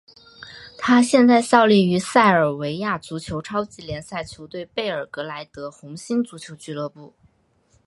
他现在效力于塞尔维亚足球超级联赛球队贝尔格莱德红星足球俱乐部。